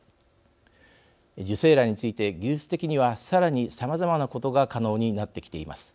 受精卵について、技術的にはさらにさまざまなことが可能になってきています。